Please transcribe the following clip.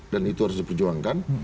dan itu harus diperjuangkan